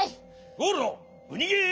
ゴールドうにげー